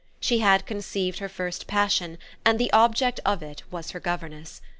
She had conceived her first passion, and the object of it was her governess.